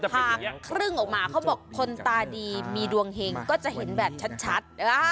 หากครึ่งออกมาเขาบอกคนตาดีมีดวงเห็งก็จะเห็นแบบชัด